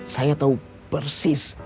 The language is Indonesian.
saya tahu persis